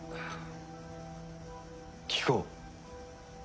聞こう。